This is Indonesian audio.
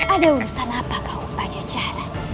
ada urusan apa kau pancajaran